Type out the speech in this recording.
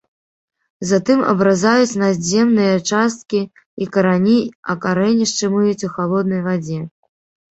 Затым абразаюць надземныя часткі і карані, а карэнішчы мыюць у халоднай вадзе.